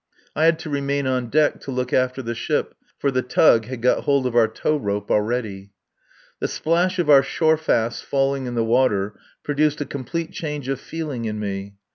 I had to remain on deck to look after the ship, for the tug had got hold of our towrope already. The splash of our shore fasts falling in the water produced a complete change of feeling in me.